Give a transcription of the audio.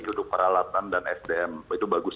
duduk peralatan dan sdm itu bagus